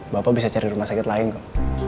bapak bisa cari rumah sakit lain kok